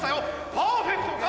パーフェクトか？